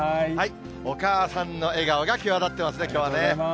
お母さんの笑顔が際立ってますね、きょうはね。